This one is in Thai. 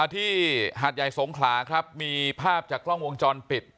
หาดใหญ่สงขลาครับมีภาพจากกล้องวงจรปิด